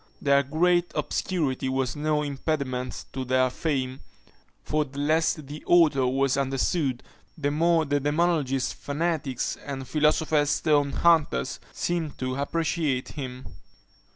Their great obscurity was no impediment to their fame; for the less the author was understood, the more the demonologists, fanatics, and philosopher's stone hunters seemed to appreciate him.